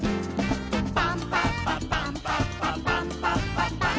「パンパパパンパパパンパパ・パン」